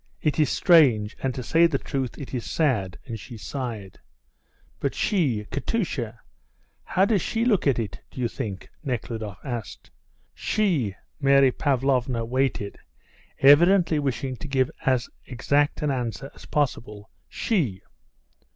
It is strange, and, to say the truth, it is sad," and she sighed. "But she? Katusha? How does she look at it, do you think?" Nekhludoff asked. "She?" Mary Pavlovna waited, evidently wishing to give as exact an answer as possible. "She?